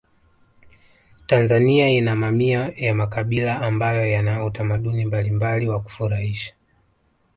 tanzania ina mamia ya makabila ambayo Yana utamaduni mbalimbali wa kufurahisha